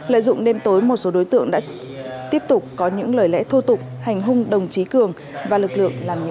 lợi dụng đêm tối một số đối tượng đã tiếp tục có những lời lẽ thô tục hành hung đồng chí cường và lực lượng làm nhiệm vụ